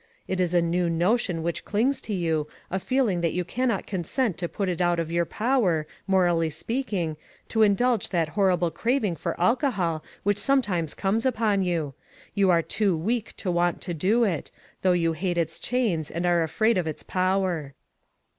It is a new notion which clings to you, a feeling that you cannot consent to put it out of your power, morally speaking, to in 4/4 ONE COMMONPLACE DAY. dulge that horrible craving for alcohol which sometimes comes upon you. You are too weak to want to do it, though you hate its chains, and are afraid of its power."